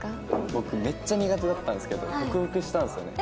僕めっちゃ苦手だったんですけど克服したんですよね